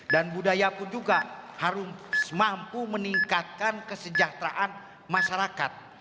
dan budaya pun juga harus mampu meningkatkan kesejahteraan masyarakat